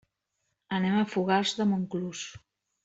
Anem a Fogars de Montclús.